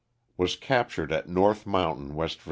Was captured at North Mountain, West Va.